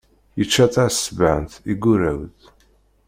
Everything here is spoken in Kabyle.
Yečča taεeṣbant, yeggurreε-d.